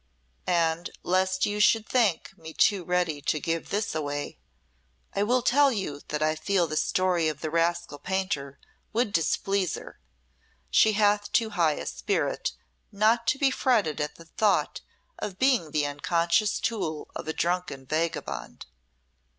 And lest you should think me too ready to give this away, I will tell you that I feel the story of the rascal painter would displease her. She hath too high a spirit not to be fretted at the thought of being the unconscious tool of a drunken vagabond."